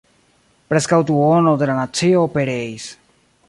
Preskaŭ duono de la nacio pereis.